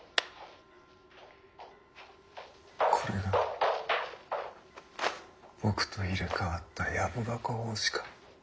これが僕と入れ代わった「藪箱法師」かッ。